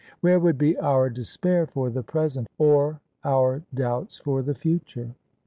Where would be our despair for the present or our doubts for the future?